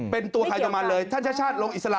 เป็นตัวไทยต่อมาเลยท่านชาติลงอิสระ